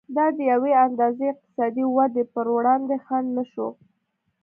دا د یوې اندازې اقتصادي ودې پر وړاندې خنډ نه شو.